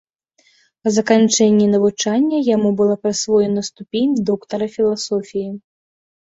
Па заканчэнні навучання яму была прысвоена ступень доктара філасофіі.